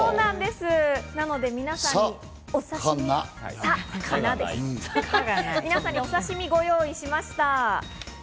なので皆さんに、お刺し身をご用意しました。